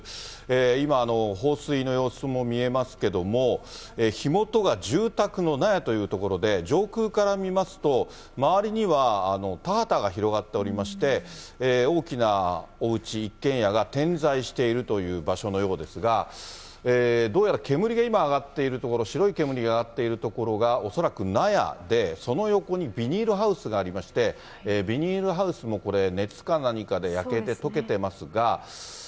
今、放水の様子も見えますけども、火元が住宅の納屋という所で、上空から見ますと、周りには田畑が広がっておりまして、大きなおうち、一軒家が点在しているという場所のようですが、どうやら煙が今、上がっている所、白い煙が上がっている所が、恐らく納屋で、その横にビニールハウスがありまして、ビニールハウスもこれ、熱か何かで焼けてとけてますが。